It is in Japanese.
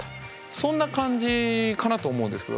そんな感じかなと思うんですけど